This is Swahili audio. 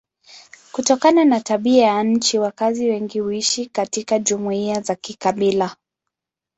Kutokana na tabia ya nchi wakazi wengi huishi katika jumuiya za kikabila.